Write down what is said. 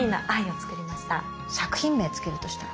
作品名付けるとしたら？